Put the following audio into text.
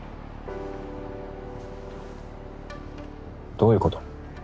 どういうこと？